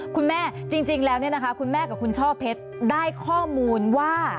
คุณแม่จริงจริงแล้วเนี้ยนะคะคุณแม่กับคุณช่อเพชรได้ข้อมูลว่า